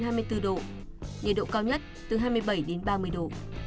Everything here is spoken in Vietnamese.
nhiệt độ cao nhất từ hai mươi bảy đến ba mươi độ